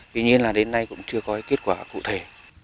tuy nhiên là đến nay cũng chưa có kết quả cụ thể